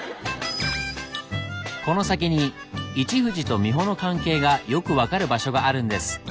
この先に「一富士」と三保の関係がよく分かる場所があるんです。